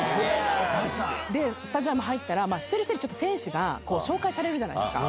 スタジアム入ったら、一人一人、選手が紹介されるじゃないですか。